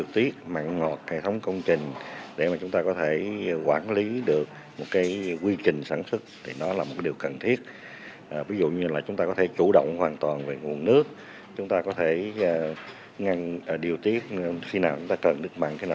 trước tình hình này ngày một mươi bảy tháng một mươi một năm hai nghìn một mươi bảy